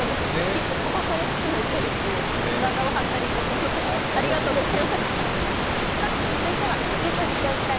キック飛ばされつつも受けるという、体を張ったロケありがとうございました。